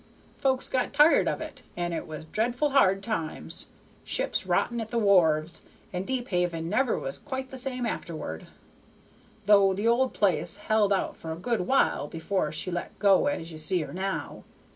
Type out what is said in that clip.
Folks got tired of it, and it was dreadful hard times; ships rotting at the wharves, and Deephaven never was quite the same afterward, though the old place held out for a good while before she let go as ye see her now.